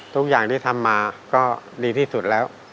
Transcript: ทุกอย่างที่ทำมาก็ดีที่สุดแล้ว